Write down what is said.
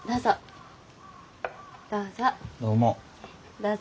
どうぞ。